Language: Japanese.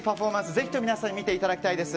ぜひとも皆さんに見ていただきたいです。